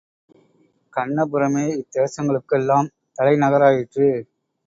கண்ணபுரமே இத்தேசங்களுக் கெல்லாம் தலை நகராயிற்று.